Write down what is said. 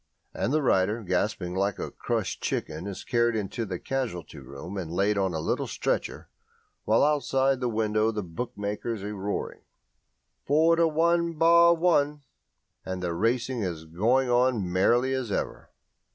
And the rider, gasping like a crushed chicken, is carried into the casualty room and laid on a little stretcher, while outside the window the bookmakers are roaring "Four to one bar one," and the racing is going on merrily as ever.